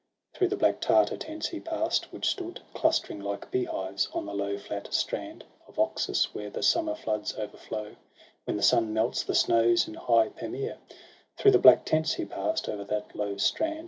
Through the black Tartar tents he pass'd, which stood Clustering like bee hives on the low flat strand Of Oxus, where the summer floods overflow When the sun melts the snows in high Pamere; G 2 84 SOHRAB AND RUSTUM. Through the black tents he pass'd, o'er that low strand.